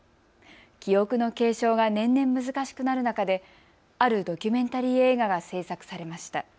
記憶の継承が年々難しくなる中であるドキュメンタリー映画が製作されました。